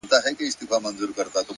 صبر د اوږدو لارو ملګری دی!